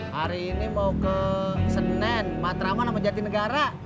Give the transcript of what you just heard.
hari ini mau ke senen matraman sama jatinegara